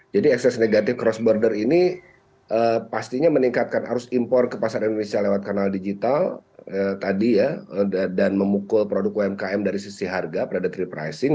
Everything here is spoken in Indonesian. jadi ekses negatif cross border ini pastinya meningkatkan arus impor ke pasar indonesia lewat kanal digital dan memukul produk umkm dari sisi harga predatory pricing